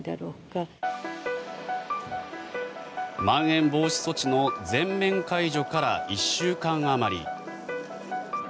まん延防止措置の全面解除から１週間あまり。